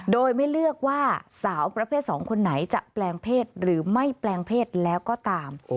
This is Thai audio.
โดยไม่เลือกว่าสาวประเภท๒คนไหนจะแปลงเพศหรือไม่แปลงเพศแล้วก็ตาม